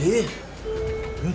えっ！